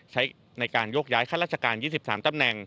ใช้ในการโยกย้ายข้าราชการ๒๓ตำแหน่ง